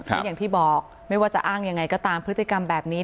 เพราะอย่างที่บอกไม่ว่าจะอ้างยังไงก็ตามพฤติกรรมแบบนี้